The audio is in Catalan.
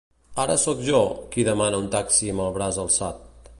Ara soc jo, qui demana un taxi amb el braç alçat.